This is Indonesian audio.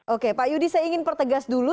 oke pak yudi saya ingin pertegas dulu